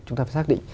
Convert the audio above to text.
chúng ta phải xác định